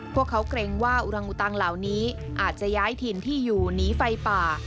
พวกเขาเกรงว่าอุรังอุตังเหล่านี้อาจจะย้ายถิ่นที่อยู่หนีไฟป่า